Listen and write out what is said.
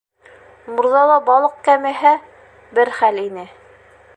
Мурҙала балыҡ кәмеһә, бер хәл ине.